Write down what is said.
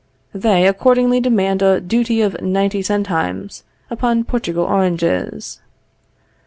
They accordingly demand a duty of ninety centimes upon Portugal oranges.